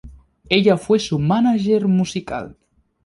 Ella fue su mánager musical.